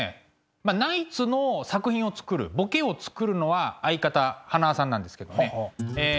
ナイツの作品をつくるボケをつくるのは相方塙さんなんですけどねえ